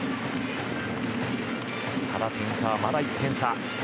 ただ点差はまだ１点差。